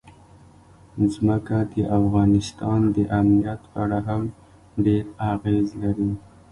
ځمکه د افغانستان د امنیت په اړه هم ډېر اغېز لري.